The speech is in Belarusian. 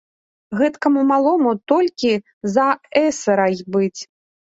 Гэтакаму малому толькі за эсэра й быць.